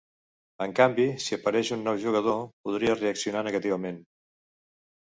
En canvi, si apareix un nou jugador, podria reaccionar negativament.